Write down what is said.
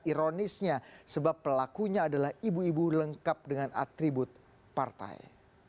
ironisnya sebab pelakunya adalah ibu ibu lengkap dengan atribut partai